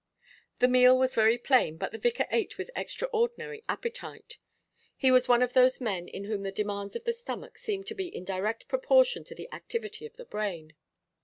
The meal was very plain, but the vicar ate with extraordinary appetite; he was one of those men in whom the demands of the stomach seem to be in direct proportion to the activity of the brain.